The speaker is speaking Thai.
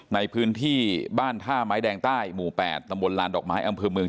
ในพื้นที่บ้านท่าม้ายแดงใต้หมู่แปดนำวนลาดอกไม้องค์มือง